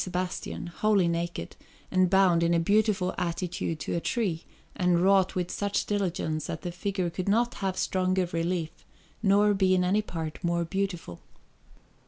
Sebastian, wholly naked, and bound in a beautiful attitude to a tree, and wrought with such diligence that the figure could not have stronger relief nor be in any part more beautiful.